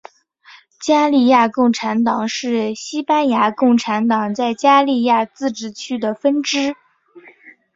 加利西亚共产党是西班牙共产党在加利西亚自治区的分支。